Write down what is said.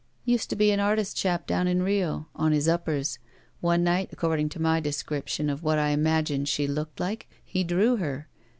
"Used to be an artist chap down in Rio. On his uppers. One night, according to my description of what I imagined she looked like, he drew her.